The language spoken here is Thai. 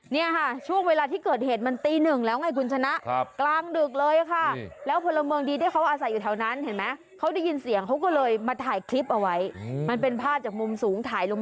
เนี่ยค่ะช่วงเวลาที่เกิดเหตุมันตีหนึ่งแล้วไงคุณชนะกลางดึกเลยค่ะแล้วพลเมืองดีที่เขาอาศัยอยู่แถวนั้นเห็นไหมเขาได้ยินเสียงเขาก็เลยมาถ่ายคลิปเอาไว้มันเป็นภาพจากมุมสูงถ่ายลง